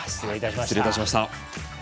失礼いたしました。